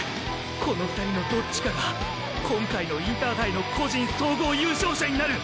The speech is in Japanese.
この２人のどっちかが今回のインターハイの個人総合優勝者になる！！